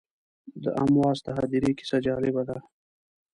د امواس د هدیرې کیسه جالبه ده.